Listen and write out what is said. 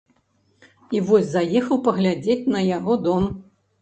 І вось заехаў паглядзець на яго дом.